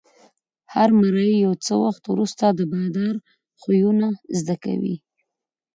هر مریی یو څه وخت وروسته د بادار خویونه زده کوي.